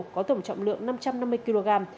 có tổng trọng lượng năm trăm năm mươi kg